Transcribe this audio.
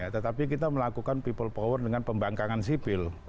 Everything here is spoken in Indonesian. tetapi kita melakukan people power dengan pembangkangan sipil